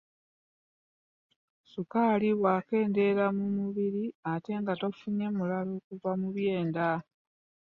Sukaali bw’akendeera mu mubiri, ate nga tofunye mulala okuva mu byenda.